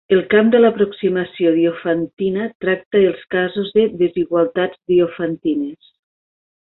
El camp de l'aproximació diofantina tracta els casos de "desigualtats diofantines".